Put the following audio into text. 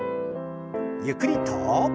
ゆっくりと。